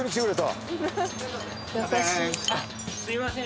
すみません。